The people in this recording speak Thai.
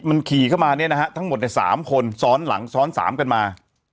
มันขี่เข้ามาเนี่ยนะฮะทั้งหมดใน๓คนซ้อนหลังซ้อนสามกันมา